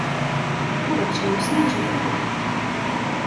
Bude přínosný v řadě ohledů.